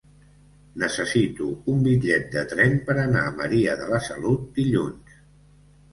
Necessito un bitllet de tren per anar a Maria de la Salut dilluns.